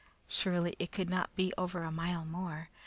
Surely it could not be over a mile more.